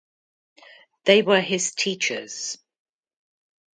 They were his teachers.